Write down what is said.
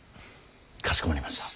かしこまりました。